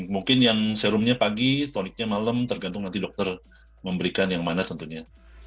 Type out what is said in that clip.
mungkin yang serumnya pagi toniknya malam tergantung nanti dokter memberikan yang mana tentunya